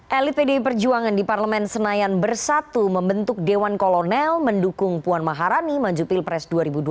elit pdi perjuangan di parlemen senayan bersatu membentuk dewan kolonel mendukung puan maharani maju pilpres dua ribu dua puluh